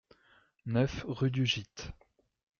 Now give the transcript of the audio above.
neuf rue du Gite